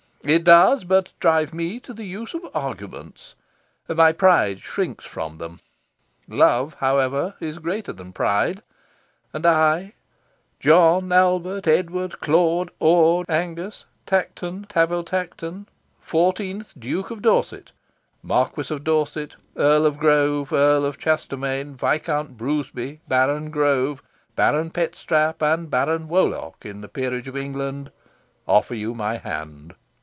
It does but drive me to the use of arguments. My pride shrinks from them. Love, however, is greater than pride; and I, John, Albert, Edward, Claude, Orde, Angus, Tankerton,* Tanville Tankerton, fourteenth Duke of Dorset, Marquis of Dorset, Earl of Grove, Earl of Chastermaine, Viscount Brewsby, Baron Grove, Baron Petstrap, and Baron Wolock, in the Peerage of England, offer you my hand.